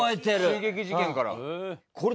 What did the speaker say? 襲撃事件から。